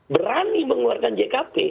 berani mengeluarkan jkp